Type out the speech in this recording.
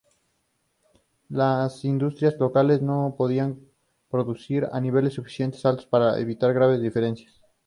Las industrias locales no podían producir a niveles suficientemente altos para evitar graves deficiencias.